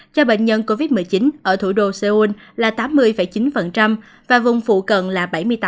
cho bệnh nhân covid một mươi chín ở thủ đô seoul là tám mươi chín và vùng phụ cận là bảy mươi tám